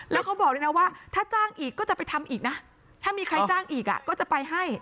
แล้วเขาบอกด้วยนะว่าถ้าจ้างอีกก็จะไปทำอีกนะถ้ามีใครจ้างอีกก็จะไปให้